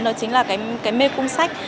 đó chính là mê cung sách